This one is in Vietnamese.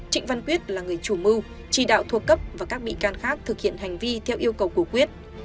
trịnh văn quyết là người chủ mưu chỉ đạo thuộc cấp và các bị can khác thực hiện hành vi theo yêu cầu của quyết